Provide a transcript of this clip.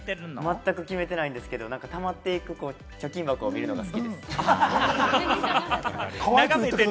まったく決めてないんですけれども、たまっていく貯金箱を見るのが好きです。